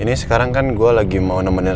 ini sekarang kan gue lagi mau nemenin